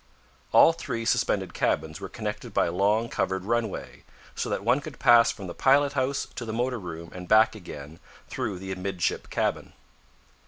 All three suspended cabins were connected by a long covered runway, so that one could pass from the pilot house to the motor room and back again through the amidship cabin.